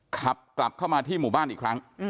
ขับกลับเข้ามาที่หมู่บ้านอีกครั้ง